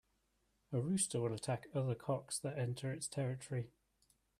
A rooster will attack other cocks that enter its territory.